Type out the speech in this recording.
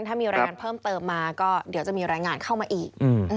ถ้ามีรายงานเพิ่มเติมมาก็เดี๋ยวจะมีรายงานเข้ามาอีก